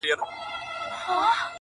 چې د اصطلاحاتو نه لرل